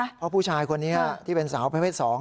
เพราะผู้ชายคนนี้ที่เป็นสาวประเภท๒